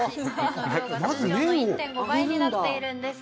「麺の量が通常の１．５倍になっているんです」